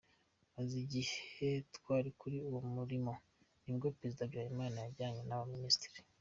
Maze igihe twali kuli uwo mulimo nibwo Prezida Habyarimana yazanye n’aba ministre”.